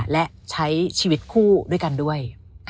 และใช้ชีวิตคู่ด้วยกันด้วย